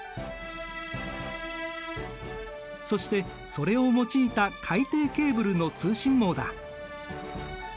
そしてそれを用いた海底ケーブルの通信網だ。